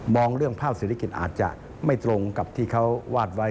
เรื่องภาพเศรษฐกิจอาจจะไม่ตรงกับที่เขาวาดไว้